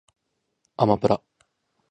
あまぷら